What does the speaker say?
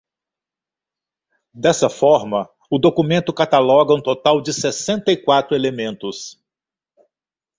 Dessa forma, o documento cataloga um total de sessenta e quatro elementos.